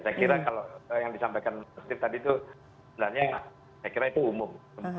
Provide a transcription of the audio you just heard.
saya kira kalau yang disampaikan mas rif tadi itu sebenarnya saya kira itu umum